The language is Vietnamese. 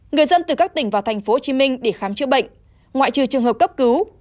người dân từ các tỉnh và thành phố hồ chí minh để khám chữa bệnh ngoại trừ trường hợp cấp cứu